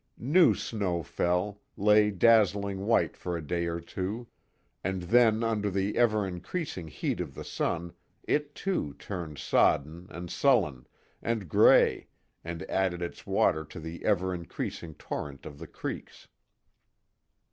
New snow fell, lay dazzling white for a day or two, and then under the ever increasing heat of the sun, it, too, turned sodden, and sullen, and grey, and added its water to the ever increasing torrent of the creeks.